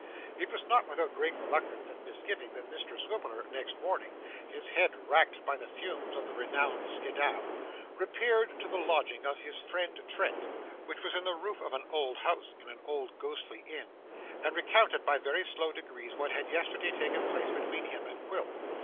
It was not without great reluctance and misgiving that Mr Swiveller, next morning, his head racked by the fumes of the renowned Schiedam, repaired to the lodging of his friend Trent (which was in the roof of an old house in an old ghostly inn), and recounted by very slow degrees what had yesterday taken place between him and Quilp.